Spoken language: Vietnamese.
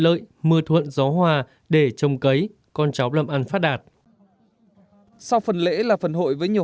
lợi mưa thuận gió hòa để trồng cấy con cháu làm ăn phát đạt sau phần lễ là phần hội với nhiều